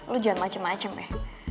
lu jangan macem macem ya